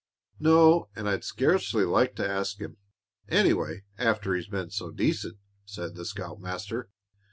"No; and I'd scarcely like to ask him, anyway, after he's been so decent," said the scoutmaster.